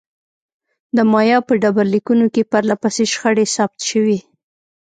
د مایا په ډبرلیکونو کې پرله پسې شخړې ثبت شوې.